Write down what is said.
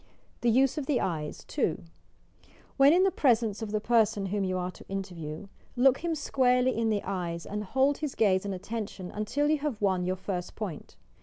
THE USE OP THE ETES 2. When in the presence of the person whom yon are to interview, look him squarely in the eyes, and hold hi« gaze and attention until you have won your first point.